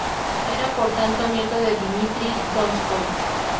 Era por tanto nieto de Dmitri Donskói.